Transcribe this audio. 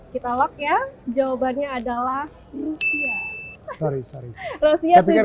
kita lo ya jawabannya adalah